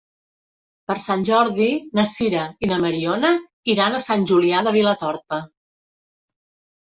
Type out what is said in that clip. Per Sant Jordi na Sira i na Mariona iran a Sant Julià de Vilatorta.